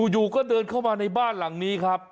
อยู่ก็เดินเข้ามาในบ้านหลังนี้ครับ